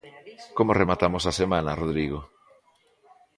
Como rematamos a semana, Rodrigo?